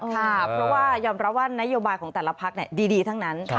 เพราะว่ายอมรับว่านโยบายของแต่ละพักดีทั้งนั้น